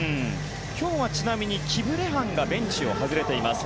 今日はちなみにキブレハンがベンチを外れています。